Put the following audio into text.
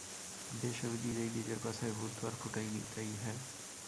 বেশ, আমি নিজেই নিজের পাছায় হুল তো আর ফুটাইনি, তাই হ্যাঁ।